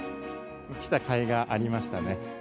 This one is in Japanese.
来たかいがありましたね。